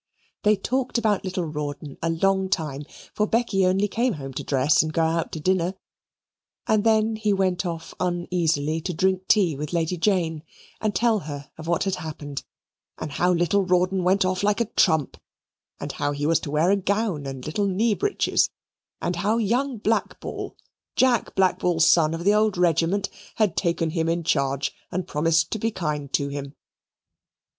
They talked about little Rawdon a long time, for Becky only came home to dress and go out to dinner and then he went off uneasily to drink tea with Lady Jane, and tell her of what had happened, and how little Rawdon went off like a trump, and how he was to wear a gown and little knee breeches, and how young Blackball, Jack Blackball's son, of the old regiment, had taken him in charge and promised to be kind to him.